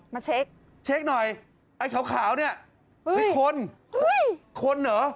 มาเช็คเช็คหน่อยไอ้ขาวนี่ค้นค้นเหรอ